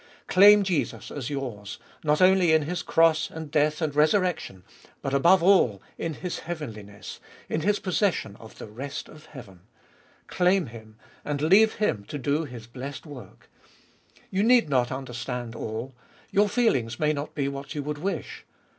Claim Jesus as yours, not only in His cross and death and resurrection, but above all in His heavenliness, in His possession of the rest of heaven. Claim Him, and leave Him to do His blessed work. You need not understand all. Your feelings may not be what you would wish.